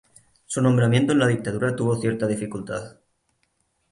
Su nombramiento en la dictadura tuvo cierta dificultad.